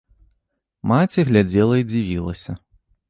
Маці глядзела і дзівілася.